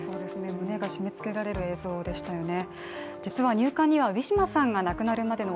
胸が締めつけられる映像でしたよね。